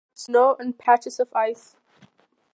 The ramp had packed snow and patches of ice.